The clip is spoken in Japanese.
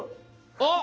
あっ。